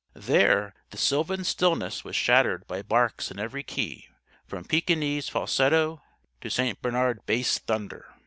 There, the sylvan stillness was shattered by barks in every key, from Pekingese falsetto to St. Bernard bass thunder.